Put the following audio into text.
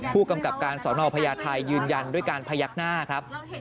ผู้กำกับการสอนอพญาไทยยืนยันด้วยการพยักหน้าครับ